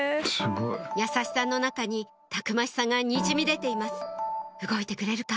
優しさの中にたくましさがにじみ出ています動いてくれるか？